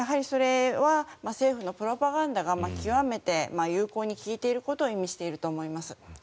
それは政府のプロパガンダが極めて有効に効いていることに満ちていると思います。